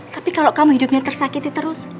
tapi kalau kamu hidupnya tersakiti terus